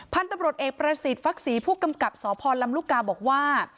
พันธุ์ตำรวจเอกประสิทธิ์ฟักศรีผู้กำกับสพลำลูกกาบอกว่า